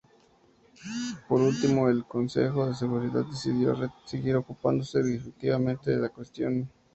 Por último, el Consejo de Seguridad decidió seguir ocupándose activamente de la cuestión.